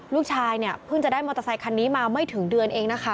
ลูกชายเนี่ยเพิ่งจะได้มอเตอร์ไซคันนี้มาไม่ถึงเดือนเองนะคะ